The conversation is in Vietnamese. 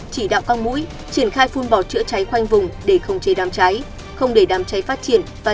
chỉ đạo các mũi triển khai phun bỏ